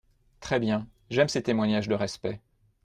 Très bien… j’aime ces témoignages de respect…